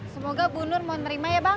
semoga bu nur mau nerima ya bang